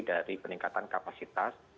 dari peningkatan kapasitas